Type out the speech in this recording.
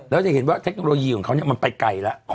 แล้วจะเห็นว่าเทคโนโลยีของเขามันไปไกลแล้ว